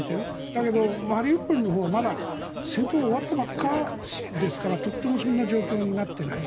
だけど、マリウポリのほうはまだ戦闘が終わったばかりですからとてもそんな状況になっていない。